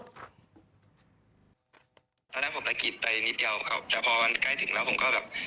ตอนแรกผมสะกิดไปนิดเดียวครับแต่พอมันใกล้ถึงแล้วผมก็แบบ